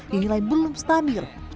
dinilai belum stabil